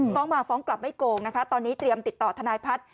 ฟ้องมาฟ้องกลับไม่โกงนะคะตอนนี้เตรียมติดต่อทนายพัฒน์